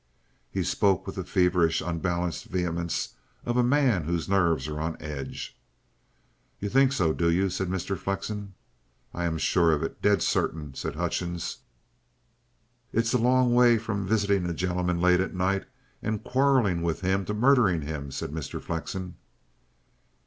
He spoke with the feverish, unbalanced vehemence of a man whose nerves are on edge. "You think so, do you?" said Mr. Flexen. "I'm sure of it dead certain," cried Hutchings. "It's a long way from visiting a gentleman late at night and quarrelling with him to murdering him," said Mr. Flexen.